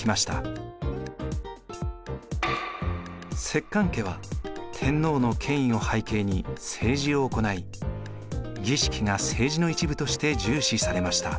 摂関家は天皇の権威を背景に政治を行い儀式が政治の一部として重視されました。